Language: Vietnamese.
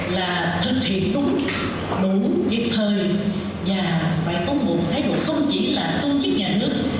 là thực hiện đúng đủ kịp thời và phải có một thái độ không chỉ là công chức nhà nước